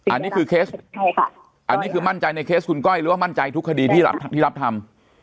อันนี้คือเคสใช่ค่ะอันนี้คือมั่นใจในเคสคุณก้อยหรือว่ามั่นใจทุกคดีที่รับทำ